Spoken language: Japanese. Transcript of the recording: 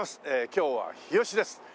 今日は日吉です。